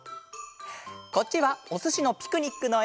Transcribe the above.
こっちは「おすしのピクニック」のえ！